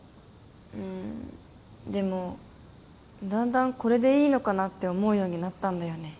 うんでもだんだんこれでいいのかなって思うようになったんだよね